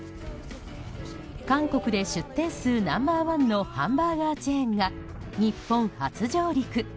韓国で出店数ナンバー１のハンバーガーチェーンが日本初上陸。